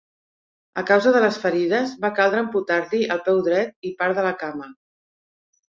A causa de les ferides va caldre amputar-li el peu dret i part de la cama.